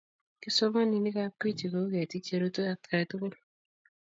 kipsomaninikab Gwiji kouu ketiik cherutu atkai tugul